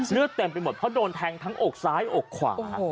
เลือดเต็มไปหมดเพราะโดนแทงทั้งอกซ้ายอกขวา